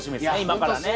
今からね。